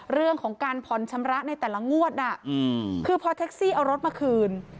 เรื่องของการผ่อนชำระในแต่ละงวดคือพอแท็กซี่เอารถมาคืน